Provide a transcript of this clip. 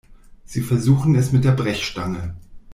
Sie versuchen es mit der Brechstange.